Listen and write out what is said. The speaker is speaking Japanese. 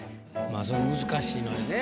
まあそれ難しいのよね。